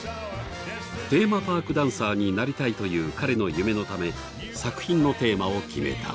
テーマパークダンサーになりたいという彼の夢のため作品のテーマを決めた。